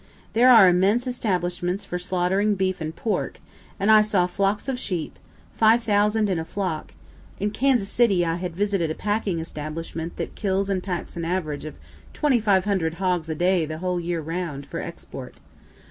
There are immense establishments for slaughtering beef and pork and I saw flocks of sheep, 5000 in a flock. (In Kansas City I had visited a packing establishment that kills and packs an average of 2500 hogs a day the whole year round, for export.